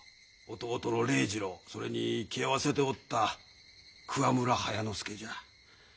弟の礼次郎それに来合わせておった桑村速之助じゃ。